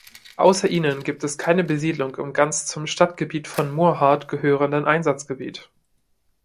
Außer ihnen gibt es keine Besiedlung im ganz zum Stadtgebiet von Murrhardt gehörenden Einzugsgebiet.